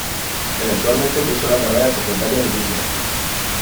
Eventualmente cursó la carrera de secretaria bilingüe.